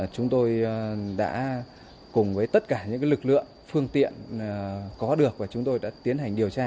chúng tôi đã cùng với tất cả những lực lượng phương tiện có được và chúng tôi đã tiến hành điều tra